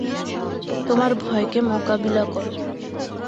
তোমার ভয়কে মোকাবিলা করো।